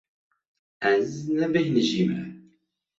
Ez nebêhnijî me.